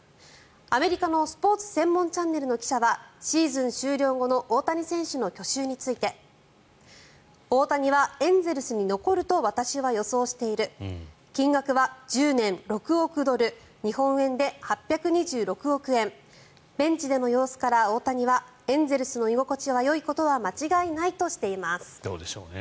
アメリカのスポーツ専門チャンネルの記者はシーズン終了後の大谷選手の去就について大谷はエンゼルスに残ると私は予想している金額は１０年６億ドル日本円で８２６億円ベンチでの様子から大谷はエンゼルスの居心地がよいことはどうでしょうね。